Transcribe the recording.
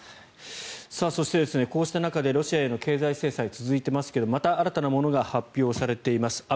そしてこうした中でロシアへの経済制裁が続いていますがまた新たなものが発表されています。